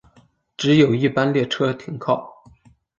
只有一般列车停靠。